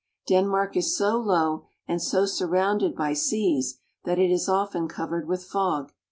Denmark is so low and so surrounded by seas that it is often covered with fog.